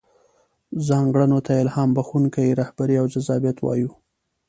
ځانګړنو ته يې الهام بښونکې رهبري او جذابيت وايو.